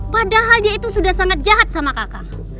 padahal dia itu sudah sangat jahat sama kakak